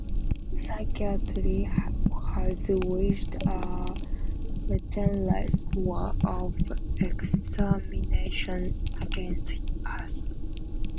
Psychiatry has waged a relentless war of extermination against us.